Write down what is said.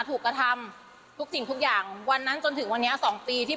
ถูกกระทำทุกสิ่งทุกอย่างวันนั้นจนถึงวันนี้สองปีที่